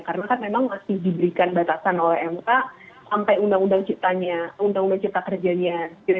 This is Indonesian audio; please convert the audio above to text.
karena memang masih diberikan batasan oleh mp sampai undang undang cipta kerjanya